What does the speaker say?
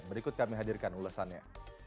berikut kami hadirkan ulasannya